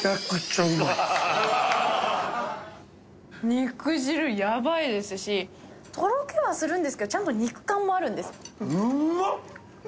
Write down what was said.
肉汁やばいですしとろけはするんですけどちゃんと肉感もあるんですうまっ！